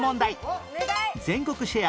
全国シェア